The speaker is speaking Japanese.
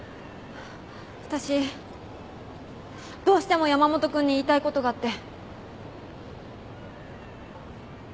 私どうしても山本君に言いたいことがあって。